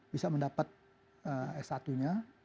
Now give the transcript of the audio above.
bisa mendapat s satu nya